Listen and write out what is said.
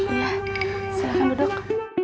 silahkan bu dok